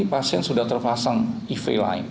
pasien sudah terpasang iv lain